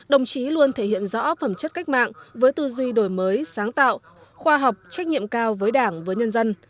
đồng chí luôn thể hiện rõ phẩm chất cách mạng với tư duy đổi mới sáng tạo khoa học trách nhiệm cao với đảng với nhân dân